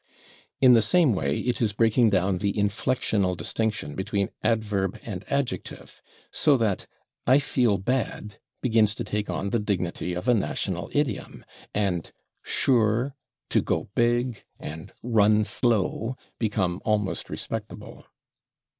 In the same way it is breaking down the inflectional distinction between adverb and adjective, so that "I feel /bad/" begins to take on the dignity of a national idiom, and /sure/, /to go big/ and /run slow/ become almost respectable.